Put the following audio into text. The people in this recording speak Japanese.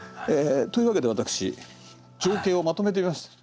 というわけで私情景をまとめてみました。